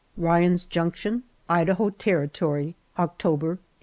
RYAN'S JUNCTION, IDAHO TERRITORY, October, 1877.